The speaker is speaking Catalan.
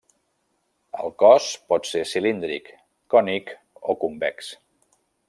El cos pot ser cilíndric, cònic o convex.